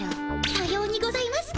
さようにございますか。